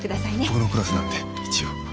僕のクラスなんで一応。